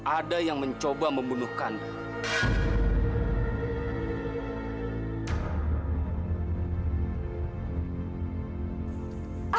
ada yang mencoba membunuh kanda